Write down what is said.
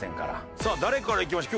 さあ誰からいきましょう？